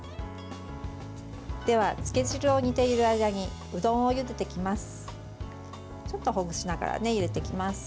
では、つけ汁を煮ている間にうどんをゆでていきます。